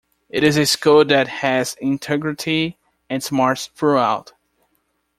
It is a school that has integrity and smarts throughout.